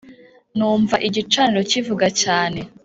Numva igicaniro kivuga cyane